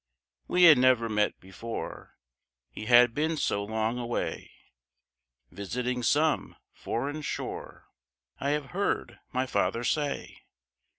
We had never met before, He had been so long away, Visiting some foreign shore, I have heard my father say.